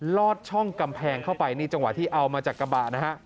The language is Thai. ลอดช่องกำแพงเข้าไปนี่จังหวะที่เอามาจากกระบะนะฮะ